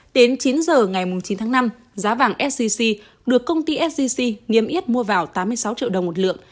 đến chín giờ ngày chín tháng năm giá vàng sgc được công ty sgc niêm yết mua vào tám mươi sáu triệu đồng một lượng